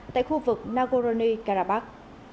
tại khu vực nagorno karabakh